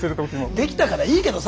できたからいいけどさ。